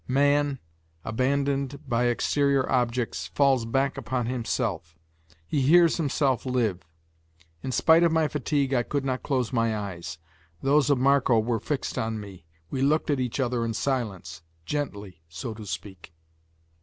Man, abandoned by exterior objects, falls back upon himself; he hears himself live. In spite of my fatigue I could not close my eyes; those of Marco were fixed on me; we looked at each other in silence, gently, so to speak.